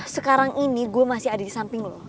sekarang ini gue masih ada di samping loh